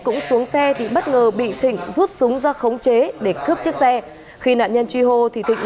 cũng xuống xe thì bất ngờ bị thịnh rút súng ra khống chế để cướp chiếc xe khi nạn nhân truy hô thì thịnh